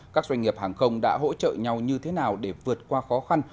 các doanh nghiệp hàng không đã hỗ trợ nhau như thế nào để vượt qua khó khăn